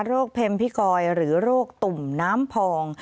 เพ็มพิกอยหรือโรคตุ่มน้ำพอง